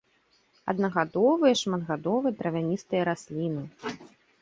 Аднагадовыя і шматгадовыя травяністыя расліны.